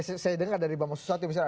saya dengar dari bapak suswati misalnya